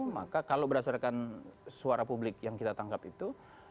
maka kalau berdasarkan suara publik yang kita tangkap itu